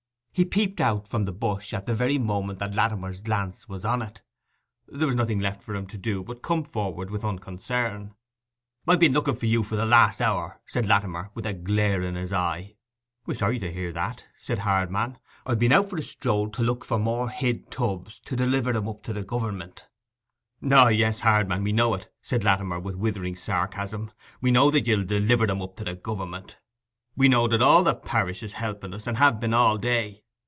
He peeped out from the bush at the very moment that Latimer's glance was on it. There was nothing left for him to do but to come forward with unconcern. 'I've been looking for you for the last hour!' said Latimer with a glare in his eye. 'Sorry to hear that,' said Hardman. 'I've been out for a stroll, to look for more hid tubs, to deliver 'em up to Gover'ment.' 'O yes, Hardman, we know it,' said Latimer, with withering sarcasm. 'We know that you'll deliver 'em up to Gover'ment. We know that all the parish is helping us, and have been all day!